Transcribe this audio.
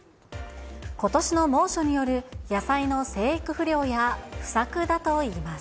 ことしの猛暑による野菜の生育不良や不作だといいます。